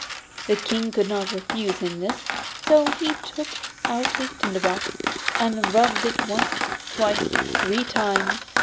The King could not refuse him this, and so he took out his tinder box, and rubbed it once, twice, three times.